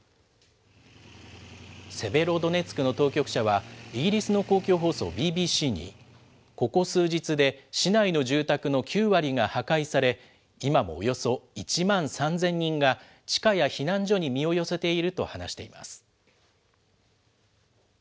セベロドネツクの当局者は、イギリスの公共放送ＢＢＣに、ここ数日で市内の住宅の９割が破壊され、今もおよそ１万３０００人が地下や避難所に身を寄せていると話しています。